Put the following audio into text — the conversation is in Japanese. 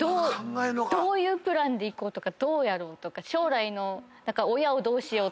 どういうプランで行こうとかどうやろうとか将来の親をどうしようとか。